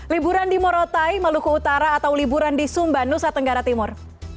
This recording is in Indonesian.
liburan di morotai maluku utara atau liburan di sumba nusa tenggara timur